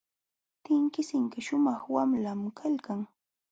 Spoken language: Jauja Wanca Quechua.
Tinkisinqa shumaq wamlam kaykan.